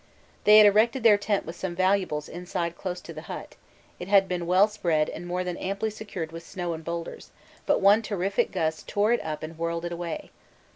They had erected their tent with some valuables inside close to the hut; it had been well spread and more than amply secured with snow and boulders, but one terrific gust tore it up and whirled it away.